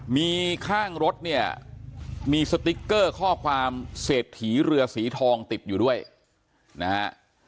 มีข้างรถเนี่ยมีสติ๊กเกอร์ข้อความเศรษฐีเรือสีทองติดอยู่ด้วยนะฮะ